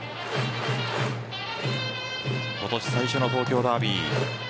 今年最初の東京ダービー。